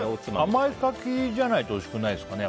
甘い柿じゃないとおいしくないですかね。